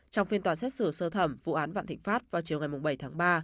trong phiên toàn xét xử sơ thẩm vụ án phạm thịnh phát vào chiều ngày bảy tháng ba